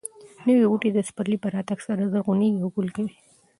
نوي بوټي د پسرلي په راتګ سره زرغونېږي او ګل کوي.